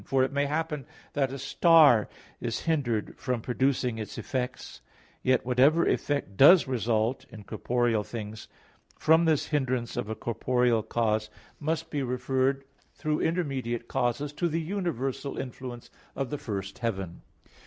For it may happen that a star is hindered from producing its effects; yet whatever effect does result, in corporeal things, from this hindrance of a corporeal cause, must be referred through intermediate causes to the universal influence of the first heaven.